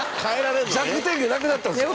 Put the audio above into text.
弱点がなくなったんですよ。